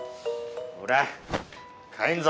ほら帰んぞ！